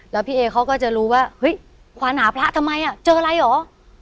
แล้วพี่เอเขาก็จะรู้ว่าเฮ้ยควานหาพระทำไมอ่ะเจออะไรเหรอ